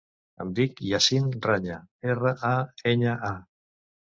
Em dic Yassin Raña: erra, a, enya, a.